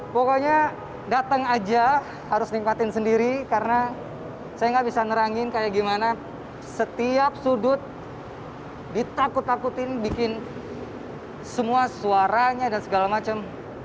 pokoknya datang aja harus nikmatin sendiri karena saya nggak bisa ngerangin kayak gimana setiap sudut ditakut takutin bikin semua suaranya dan segala macem